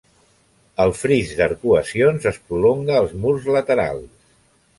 El fris d'arcuacions es prolonga als murs laterals.